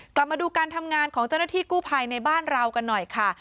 กลับมาดูการทำงานของเจ้าหน้าที่กู้ภัยในบ้านเรากันหน่อยค่ะ